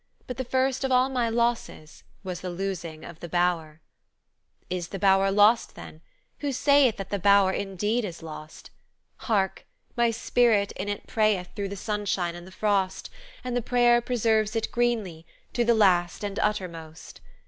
But the first of all my losses was the losing of the bower. "Is the bower lost then? Who sayeth That the bower indeed is lost? Hark! my spirit in it prayeth Through the sunshine and the frost, And the prayer preserves it greenly, to the last and uttermost.